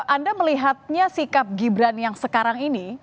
anda melihatnya sikap gibran yang sekarang ini